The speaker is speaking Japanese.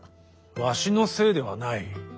わしのせいではない。